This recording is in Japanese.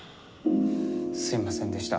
すみませんでした。